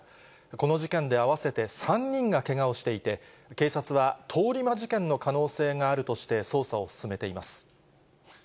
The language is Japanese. この事件で合わせて３人がけがをしていて、警察は通り魔事件の可能性があるとして捜査を進めています。